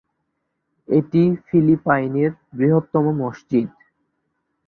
এটি ফিলিপাইনের বৃহত্তম মসজিদ।